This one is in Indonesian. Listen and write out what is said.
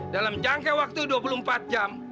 dalam jangka waktu dua puluh empat jam